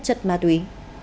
chất ma túy